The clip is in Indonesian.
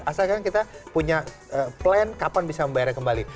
asalkan kita punya plan kapan bisa membayarnya kembali